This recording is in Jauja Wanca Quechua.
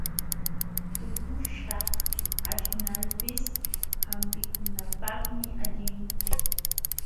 Tuqushkaq aśhnalpis hampikunapaqmi allin.